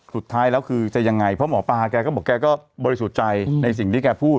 สุดท้ายแล้วคือจะยังไงเพราะหมอปลาแกก็บอกแกก็บริสุทธิ์ใจในสิ่งที่แกพูด